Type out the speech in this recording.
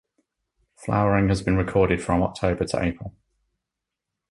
Flowering has been recorded from October to April.